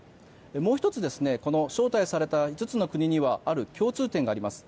もう１つ招待された５つの国にはある共通点があります。